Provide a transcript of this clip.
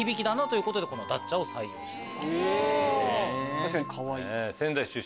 確かにかわいい。